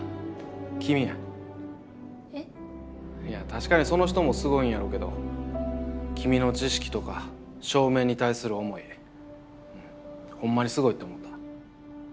いや確かにその人もすごいんやろうけど君の知識とか照明に対する思いホンマにすごいと思った。